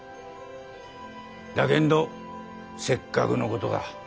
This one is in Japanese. だけんどせっかくのことだ。